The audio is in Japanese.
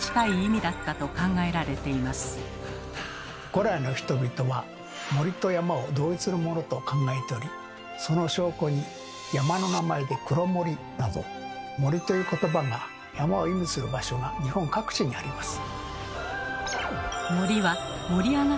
古来の人々は森と山を同一のものと考えておりその証拠に山の名前で「黒森」など「森」ということばが山を意味する場所が日本各地にあります。